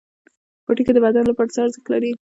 پوټکی د بدن لپاره څه ارزښت لري؟